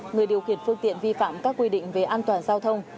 người điều khiển phương tiện vi phạm các quy định về an toàn giao thông